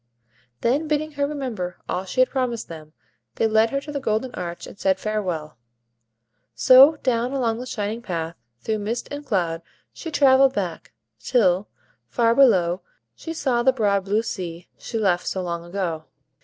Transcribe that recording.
Then, bidding her remember all she had promised them, they led her to the golden arch, and said farewell. So, down along the shining path, through mist and cloud, she travelled back; till, far below, she saw the broad blue sea she left so long ago.